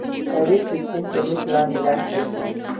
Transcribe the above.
شريف د سپين کميس لاندې لاس تېر کړ.